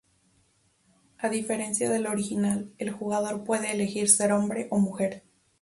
A diferencia del original, el jugador puede elegir ser hombre o mujer.